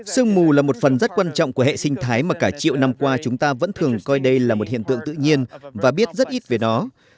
sương mù là một phần rất quan trọng của hệ sinh thái mà cả triệu năm qua chúng ta vẫn thường coi đây là một hiện tượng tự nhiên và biết rất ít về nó